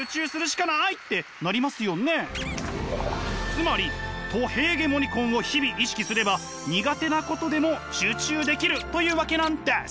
つまりト・ヘーゲモニコンを日々意識すれば苦手なことでも集中できるというわけなんです！